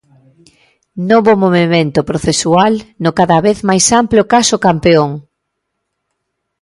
Novo movemento procesual no cada vez máis amplo caso 'Campeón'.